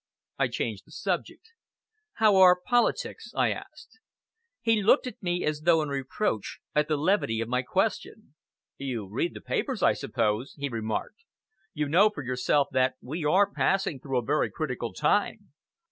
I changed the subject. "How are politics?" I asked. He looked at me as though in reproach at the levity of my question. "You read the papers, I suppose?" he remarked. "You know for yourself that we are passing through a very critical time.